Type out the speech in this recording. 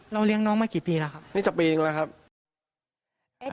เลี้ยงน้องมากี่ปีแล้วครับนี่จะปีหนึ่งแล้วครับ